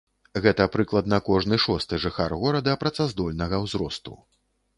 Гэта прыкладна кожны шосты жыхар горада працаздольнага ўзросту.